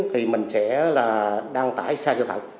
thì mình sẽ đăng tải sai sự thật